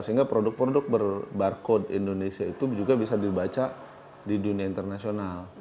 sehingga produk produk berbarcode indonesia itu juga bisa dibaca di dunia internasional